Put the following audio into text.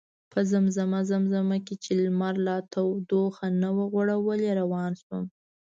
په مزه مزه چې لمر لا تودوخه نه وه غوړولې روان شوم.